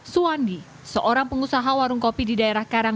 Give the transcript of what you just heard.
suwandi seorang pengusaha warung kopi di daerah karang